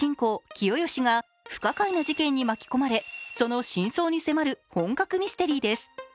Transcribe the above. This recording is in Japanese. ・清義が不可解な事件に巻き込まれその真相に迫る本格ミステリーです。